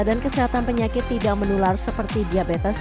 dan kesehatan penyakit tidak menular seperti diabetes